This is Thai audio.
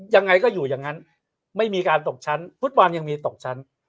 ยังไงก็อยู่อย่างนั้นไม่มีการตกชั้นฟุตบอลยังมีตกชั้น